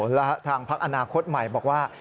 แล้วทางพักอนาคตใหม่บอกว่า